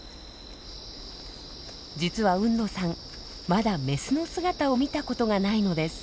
実は海野さんまだメスの姿を見たことがないのです。